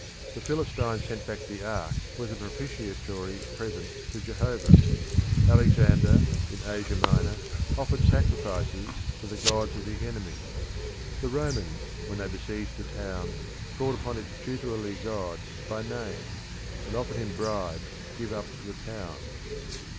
The Philistines sent back the ark with a propitiatory present to Jehovah. Alexander, in Asia Minor, offered sacrifices to the gods of the enemy. The Romans, when they besieged a town, called upon its tutelary god by name, and offered him bribes to give up the town.